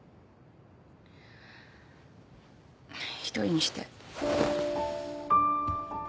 一人にして。